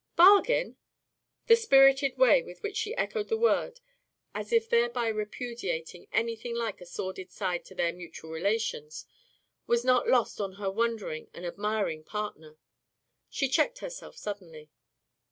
"Bargain!" The spirited way with which she echoed the word, as if thereby repudiating anything like a sordid side to their mutual relations, was not lost on her wondering and admiring partner. She checked herself suddenly.